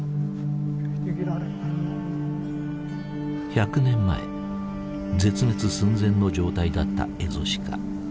１００年前絶滅寸前の状態だったエゾシカ。